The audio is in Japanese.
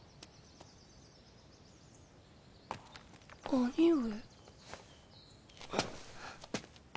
兄上。